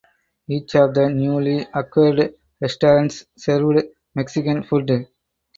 Each of the newly acquired restaurants served Mexican food.